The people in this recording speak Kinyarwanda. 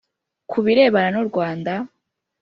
ku birebana n'u rwanda,